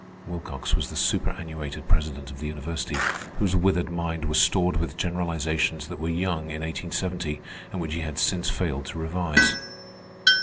Wilcox was the superannuated president of the university, whose withered mind was stored with generalizations that were young in 1870, and which he had since failed to revise.